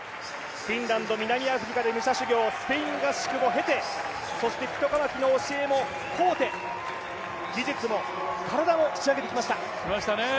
フィンランド、南アフリカで武者修行スペイン合宿も経て、ピトカマキの教えも請うて技術も体も仕上げてきました。